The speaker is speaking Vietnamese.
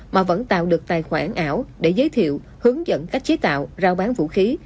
mà vẫn tạo được tài khoản ảo để giới thiệu hướng dẫn cách chế tạo rao bán vũ khí